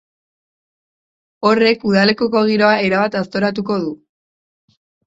Horrek udalekuko giroa erabat aztoratuko du.